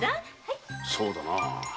そうだなあ。